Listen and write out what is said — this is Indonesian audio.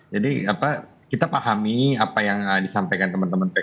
jadi kita pahami apa yang disampaikan teman teman pks